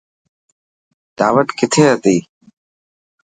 داوت ڪٿي هتي.